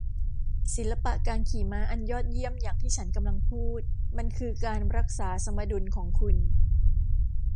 ศิลปะการขี่ม้าอันยอดเยี่ยมอย่างที่ฉันกำลังพูด มันคือการรักษาสมดุลของคุณ